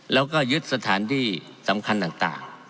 แล้วก็ยึดสถานที่สำคัญต่าง